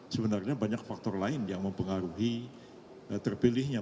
sebenarnya banyak faktor lain yang mempengaruhi terpilihnya